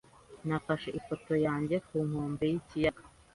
Nafashe ifoto yanjye ku nkombe yikiyaga.